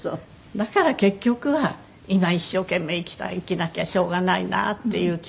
だから結局は今一生懸命生きた生きなきゃしょうがないなっていう気がする。